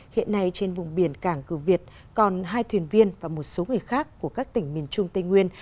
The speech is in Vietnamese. hiện nay trên vùng biển cảng cửu việt còn hai thuyền viên và một số người khác của các tỉnh miền trung tây nguyên